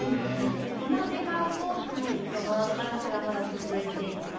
この時間もその暖かさがまだ続いています。